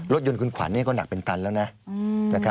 รถยนต์คุณขวัญก็หนักเป็นตันแล้วนะ